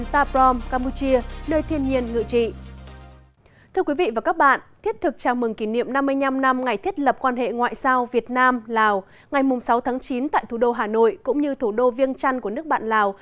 tiết lập quan hệ ngoại giao việt nam lào ngày sáu tháng chín tại thủ đô hà nội cũng như thủ đô viêng trăn của nước bạn lào